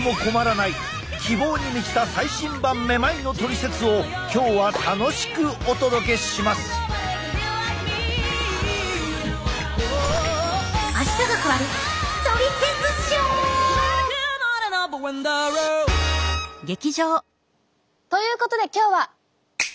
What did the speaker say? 希望に満ちた最新版めまいのトリセツを今日は楽しくお届けします！ということで今日は。